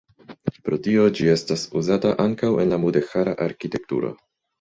Pro tio, ĝi estas uzata ankaŭ en la mudeĥara arkitekturo.